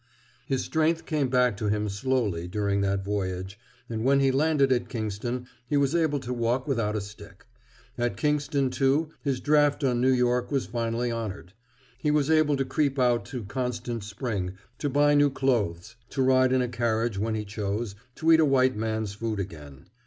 His strength came back to him slowly during that voyage, and when he landed at Kingston he was able to walk without a stick. At Kingston, too, his draft on New York was finally honored. He was able to creep out to Constant Spring, to buy new clothes, to ride in a carriage when he chose, to eat a white man's food again.